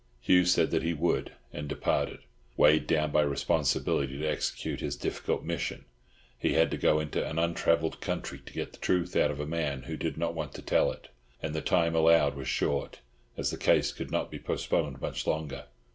Hugh said that he would, and departed, weighed down by responsibility, to execute his difficult mission. He had to go into an untravelled country to get the truth out of a man who did not want to tell it; and the time allowed was short, as the case could not be postponed much longer.